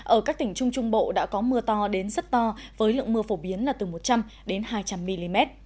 ở các tỉnh trung trung bộ đã có mưa to đến rất to với lượng mưa phổ biến là từ một trăm linh hai trăm linh mm